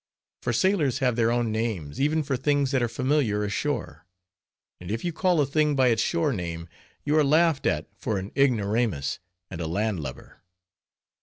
For sailors have their own names, even for things that are familiar ashore; and if you call a thing by its shore name, you are laughed at for an ignoramus and a landlubber.